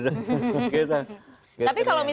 tapi kalau misalnya sampai